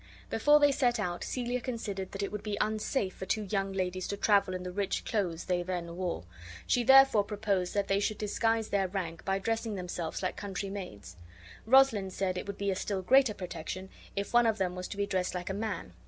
Before they set out Celia considered that it would be unsafe for two young ladies to travel in the rich clothes they then wore; she therefore proposed that they should disguise their rank by dressing themselves like country maids. Rosalind said it would be a still greater protection if one of them was to be dressed like a man.